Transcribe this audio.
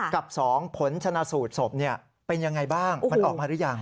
กับ๒ผลชนะสูตรศพเป็นยังไงบ้างมันออกมาหรือยัง